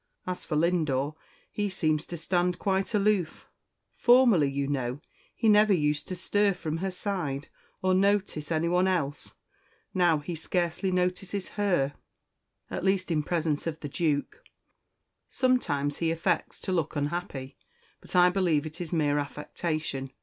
As for Lindore, he seems to stand quite aloof. Formerly, you know, he never used to stir from her side, or notice anyone else. Now he scarcely notices her, at least in presence of the Duke, Sometimes he affects to look unhappy, but I believe it is mere affectation.